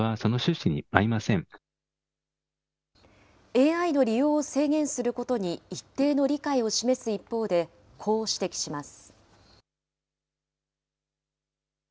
ＡＩの利用を制限することに一定の理解を示す一方で、こう指摘します。